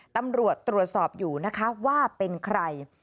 ตำรวจตรวจสอบอยู่นะคะว่าเป็นใคร